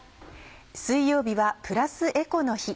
水曜日はプラスエコの日。